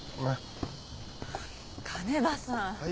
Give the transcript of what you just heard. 鐘場さん